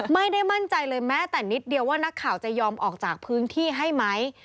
ไม่ได้มั่นใจเลยแม้แต่นิดเดียวว่านักข่าวจะยอมออกจากพื้นที่ให้ไหม